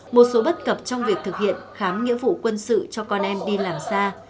một số bất cập trong việc thực hiện khám nghĩa vụ quân sự cho con em đi làm xa